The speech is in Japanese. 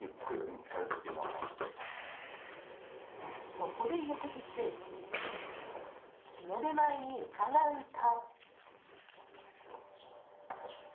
そこで翌日日の出前に伺うと。